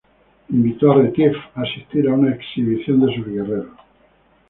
Invitó a Retief a asistir a una exhibición de sus guerreros.